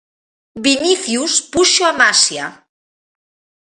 Vinicius puxo a maxia.